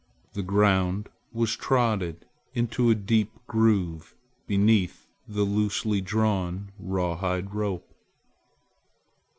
The ground was trodden into a deep groove beneath the loosely drawn rawhide rope.